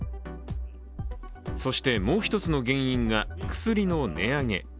そしてもう一つの原因が薬の値上げ。